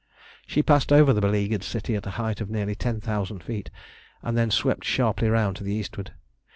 She passed over the beleaguered city at a height of nearly ten thousand feet, and then swept sharply round to the eastward.